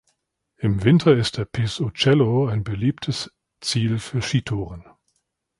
Im Winter ist der Piz Uccello ein beliebtes Ziel für Skitouren.